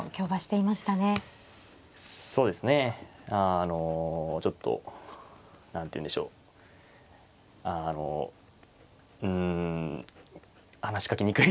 あのちょっと何ていうんでしょうあのうん話しかけにくいといいますかね。